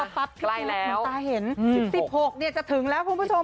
พี่โตคุณตาเห็น๑๖จะถึงแล้วครับคุณผู้ชม